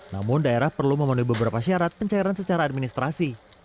namun daerah perlu memenuhi beberapa syarat pencairan secara administrasi